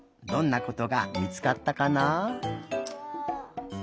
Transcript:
どんなことがみつかったかな。